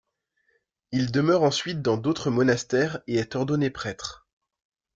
Il demeure ensuite dans d'autres monastères et est ordonné prêtre.